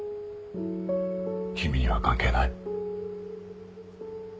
君には関係ない。